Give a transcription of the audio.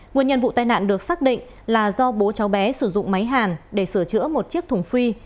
nguyên nhân vụ tai nạn được xác định là do bố cháu bé sử dụng máy hàn để sửa chữa một chiếc thùng phi